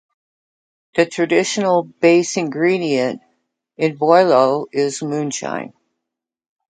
The traditional base ingredient in boilo is moonshine.